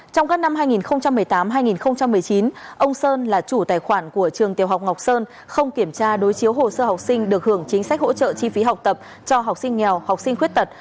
trong các năm hai nghìn một mươi tám hai nghìn một mươi chín ông sơn là chủ tài khoản của trường tiểu học ngọc sơn không kiểm tra đối chiếu hồ sơ học sinh được hưởng chính sách hỗ trợ chi phí học tập cho học sinh nghèo học sinh khuyết tật